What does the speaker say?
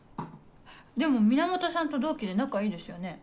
でも源さんと同期で仲いいですよね。